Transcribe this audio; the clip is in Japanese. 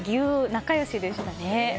仲良しでしたね。